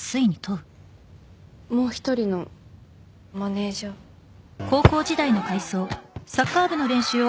もう一人のマネージャーキャー！